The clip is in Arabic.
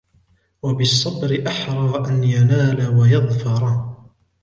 وَبِالصَّبْرِ أَحْرَى أَنْ يَنَالَ وَيَظْفَرَ